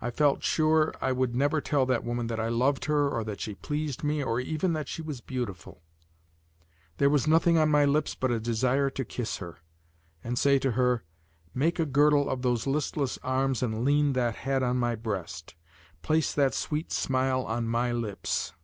I felt sure I would never tell that woman that I loved her or that she pleased me or even that she was beautiful; there was nothing on my lips but a desire to kiss her, and say to her: "Make a girdle of those listless arms and lean that head on my breast; place that sweet smile on my lips."